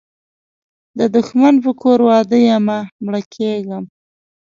د دښمن په کور واده یمه مړه کیږم